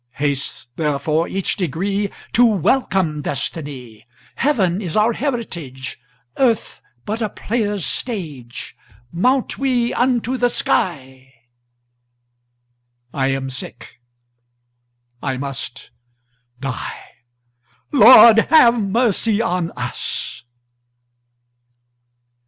35 Haste therefore each degree To welcome destiny; Heaven is our heritage, Earth but a player's stage. Mount we unto the sky; 40 I am sick, I must die— Lord, have mercy on us!